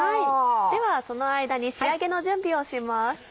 ではその間に仕上げの準備をします。